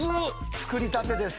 作りたてです。